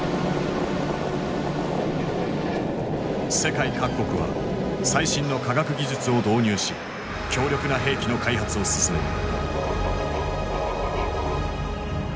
世界各国は最新の科学技術を導入し強力な兵器の開発を進める。